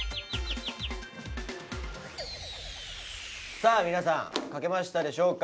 さあ皆さん描けましたでしょうか。